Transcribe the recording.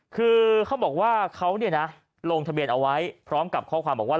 คือเขาบอกว่าเขาเนี่ยนะลงทะเบียนเอาไว้พร้อมกับข้อความบอกว่า